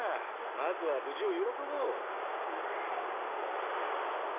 まずは無事を喜ぼう。っ。・ぁ。